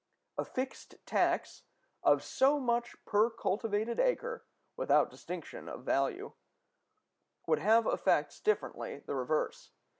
A fixed tax of so much per cultivated acre, without distinction of value, would have effects directly the reverse.